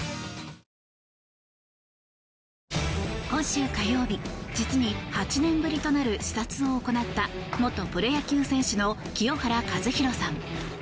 今週火曜日実に８年ぶりとなる視察を行った元プロ野球選手の清原和博さん。